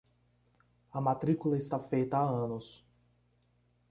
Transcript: A matrícula está feita há anos.